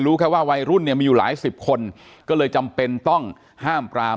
แค่ว่าวัยรุ่นเนี่ยมีอยู่หลายสิบคนก็เลยจำเป็นต้องห้ามปราม